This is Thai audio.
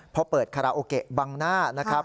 พอเปิดคาราโอเกะบังหน้านะครับ